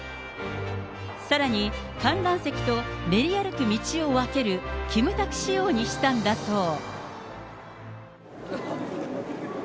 さらに、観覧席と練り歩く道を分けるキムタク仕様にしたんだそう。